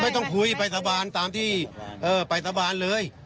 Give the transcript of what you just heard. ต้องคุยไปสาบานตามที่ไปสาบานเลย